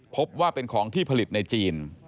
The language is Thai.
พบว่าเป็นของที่ผลิตในจีน